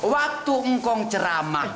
waktu engkong ceramah